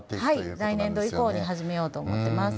来年度以降に始めようと思っています。